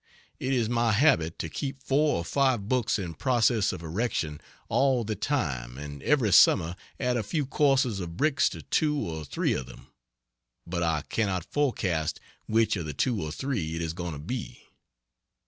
It is my habit to keep four or five books in process of erection all the time, and every summer add a few courses of bricks to two or three of them; but I cannot forecast which of the two or three it is going to be.